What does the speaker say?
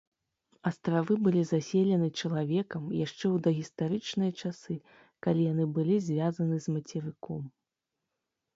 Астравы былі заселены чалавекам яшчэ ў дагістарычныя часы, калі яны былі звязаны з мацерыком.